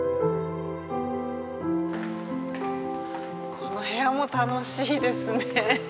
この部屋も楽しいですね。